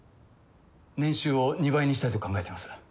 年収を２倍にしたいと考えてます。